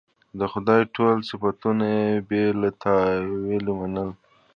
د خدای ټول صفتونه یې بې له تأویله منل.